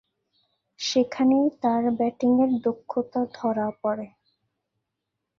সেখানেই তার ব্যাটিংয়ের দক্ষতা ধরা পড়ে।